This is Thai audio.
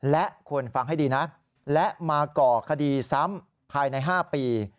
และควรฟังให้ดีนะและมาก่อคดีซ้ำภายใน๕ปี